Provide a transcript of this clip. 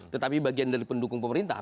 tetapi bagian dari pendukung pemerintah